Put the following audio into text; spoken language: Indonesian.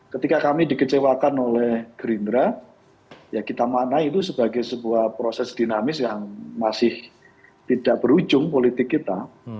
ketika kami dikecewakan oleh gerindra ya kita mana itu sebagai sebuah proses dinamis yang masih tidak berujung politik kita